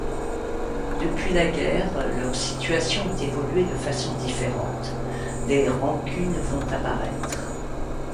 Depuis la guerre, leurs situations ont évolué de façons différentes, des rancunes vont apparaître...